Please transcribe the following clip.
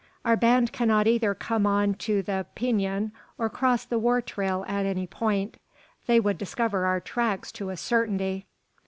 Our band cannot either come on to the Pinon or cross the war trail at any point. They would discover our tracks to a certainty."